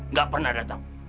gak pernah dateng